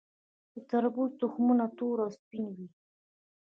د تربوز تخمونه تور او سپین وي.